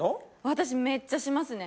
私めっちゃしますね。